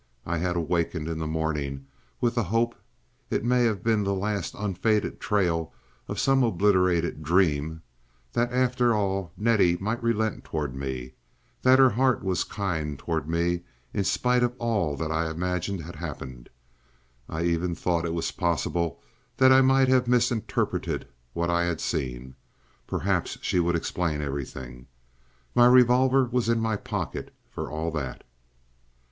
I had awakened in the morning with the hope, it may have been the last unfaded trail of some obliterated dream, that after all Nettie might relent toward me, that her heart was kind toward me in spite of all that I imagined had happened. I even thought it possible that I might have misinterpreted what I had seen. Perhaps she would explain everything. My revolver was in my pocket for all that.